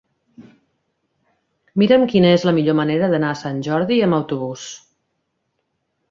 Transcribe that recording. Mira'm quina és la millor manera d'anar a Sant Jordi amb autobús.